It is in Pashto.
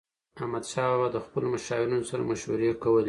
احمدشاه بابا به د خپلو مشاورینو سره مشورې کولي.